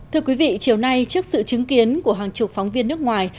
thưa quý vị chiều nay trước sự chứng kiến của hàng chục phóng viên nước ngoài